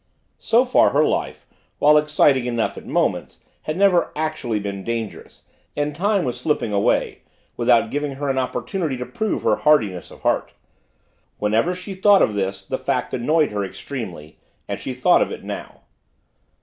So far her life, while exciting enough at moments, had never actually been dangerous and time was slipping away without giving her an opportunity to prove her hardiness of heart. Whenever she thought of this the fact annoyed her extremely and she thought of it now.